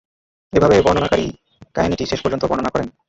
এভাবে বর্ণনাকারী কাহিনীটি শেষ পর্যন্ত বর্ণনা করেন।